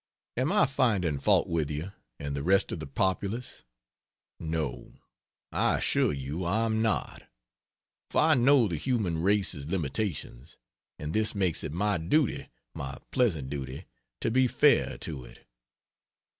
Am I finding fault with you and the rest of the populace? No I assure you I am not. For I know the human race's limitations, and this makes it my duty my pleasant duty to be fair to it.